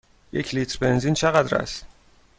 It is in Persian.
یک لیتر بنزین چقدر است؟